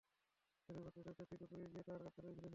এরই মধ্যে রাত নয়টার দিকে পুলিশ গিয়ে তাঁর কার্যালয় ঘিরে ফেলে।